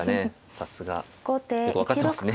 さすがよく分かってますね